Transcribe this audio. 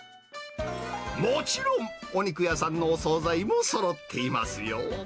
もちろん、お肉屋さんのお総菜もそろっていますよ。